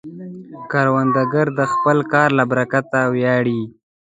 کروندګر د خپل کار له برکته ویاړي